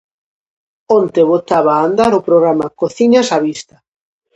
Onte botaba a andar o programa "Cociñas á vista".